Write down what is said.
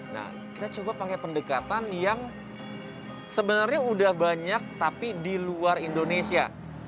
nah kita coba pakai pendekatan yang sebenarnya udah banyak tapi di luar indonesia